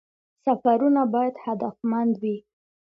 سفرونه باید هدفمند وي